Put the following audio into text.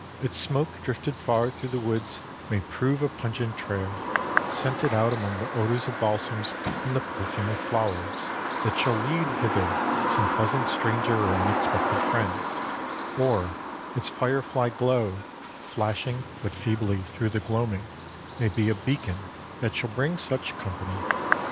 Its smoke drifted far through the woods may prove a pungent trail, scented out among the odors of balsams and the perfume of flowers that shall lead hither some pleasant stranger or unexpected friend, or its firefly glow, flashing but feebly through the gloaming, may be a beacon that shall bring such company.